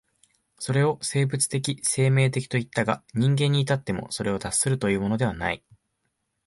それを生物的生命的といったが、人間に至ってもそれを脱するというのではない。